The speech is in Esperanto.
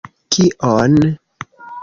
Kion?